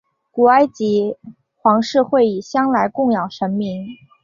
古埃及皇室会以香来供养神明。